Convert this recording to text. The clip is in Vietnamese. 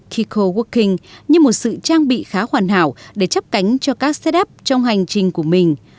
kiko working như một sự trang bị khá hoàn hảo để chấp cánh cho các set up trong hành trình của mình